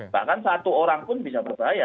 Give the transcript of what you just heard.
bahkan satu orang pun bisa berbahaya